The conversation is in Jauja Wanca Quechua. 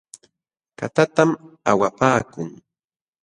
Katatam awapaakun .